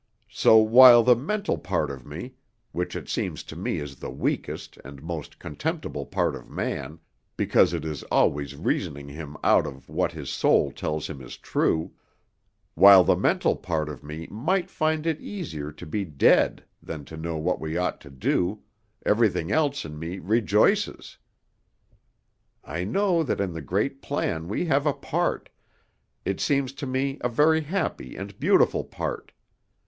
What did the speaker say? So while the mental part of me, which it seems to me is the weakest and most contemptible part of man, because it is always reasoning him out of what his soul tells him is true, while the mental part of me might find it easier to be dead than to know what we ought to do, everything else in me rejoices. I know that in the great plan we have a part, it seems to me a very happy and beautiful part.